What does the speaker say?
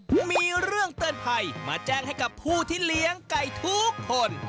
ผมมีเรื่องเตือนภัยมาแจ้งให้กับผู้ที่เลี้ยงไก่ทุกคน